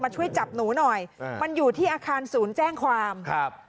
ช่วยจับหนูหน่อยอืมมันอยู่ที่อาคารศูนย์แจ้งความครับ